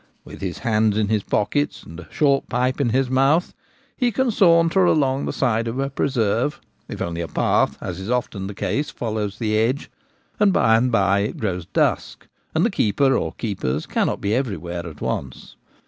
With his hands in his pockets, and a short pipe in his mouth, he can saunter along the side of a preserve if only a path, as is often the case, follows the edge ; andjby and by it grows dusk, and the keeper or keepers cannot be everywhere at once.